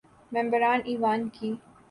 ممبران ایوان کی